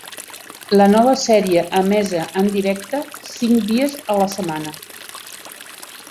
La nova sèrie emesa en directe, cinc dies a la setmana.